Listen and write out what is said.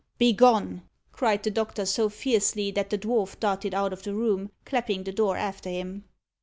"Begone!" cried the doctor, so fiercely that the dwarf darted out of the room, clapping the door after him.